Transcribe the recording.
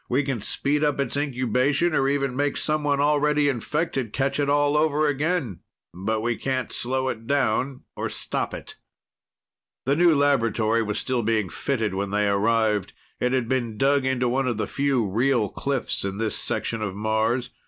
We can speed up its incubation or even make someone already infected catch it all over again. But we can't slow it down or stop it." The new laboratory was still being fitted when they arrived. It had been dug into one of the few real cliffs in this section of Mars.